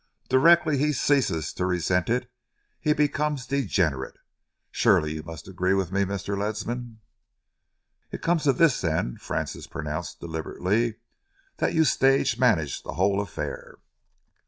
Directly he ceases to resent it, he becomes degenerate. Surely you must agree with me, Mr. Leddam?" "It comes to this, then," Francis pronounced deliberately, "that you stage managed the whole affair."